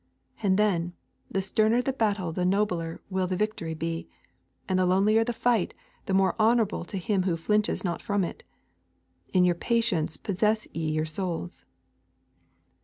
And then, the sterner the battle the nobler will the victory be; and the lonelier the fight, the more honour to him who flinches not from it. In your patience possess ye your souls.